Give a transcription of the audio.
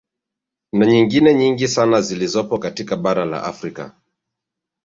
Na nyingine nyingi sana zilizopo katika bara la Afrika